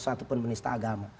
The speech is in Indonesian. satupun penista agama